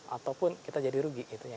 ataupun kita jadi rugi